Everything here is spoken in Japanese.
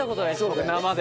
僕生で。